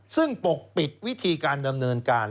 ซึ่งปกปิดวิธีการดำเนินการ